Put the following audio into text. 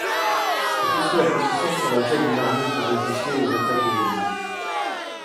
C'est aussi la position sur laquelle une armée peut résister aux attaques de l'ennemi.